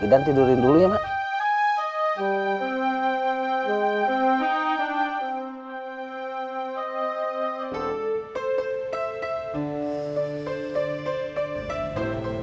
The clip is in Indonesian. idan tidurin dulu ya maks